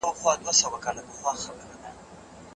آیا ته په پښتو ژبه لیک او لوست کولای شې؟